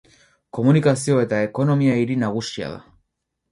Komunikazio- eta ekonomia-hiri nagusia da.